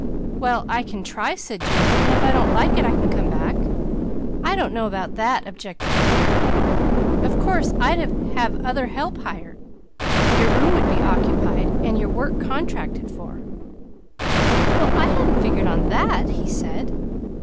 "Well I can try," said Junior, "and if I don't like it I can come back." "I don't know about that," objected Peter. "Of course I'd have other help hired; your room would be occupied and your work contracted for " "Well I hadn't figured on that," he said.